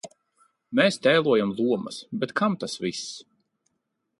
Mēs tēlojam lomas, bet kam tas viss?